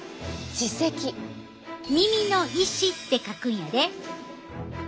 耳の石って書くんやで。